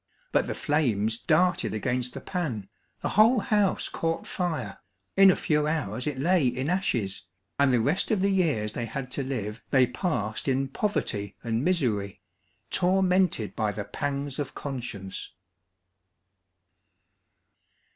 But the flames darted against the pan, the whole house caught fire, in a few hours it lay in ashes, and the rest of the years they had to live they passed in poverty and misery, tormented by the pangs of conscience.